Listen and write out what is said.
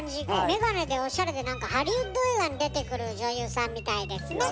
眼鏡でオシャレで何かハリウッド映画に出てくる女優さんみたいですね。